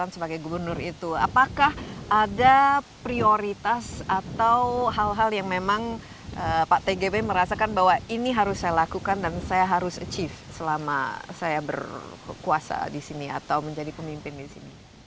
sebagai gubernur itu apakah ada prioritas atau hal hal yang memang pak tgb merasakan bahwa ini harus saya lakukan dan saya harus achieve selama saya berkuasa di sini atau menjadi pemimpin di sini